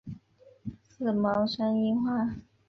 刺毛山樱花